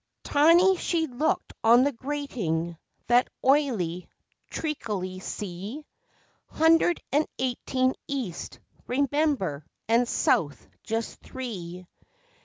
[Tiny she looked on the grating that oily, treacly sea ] Hundred and eighteen East, remember, and South just three.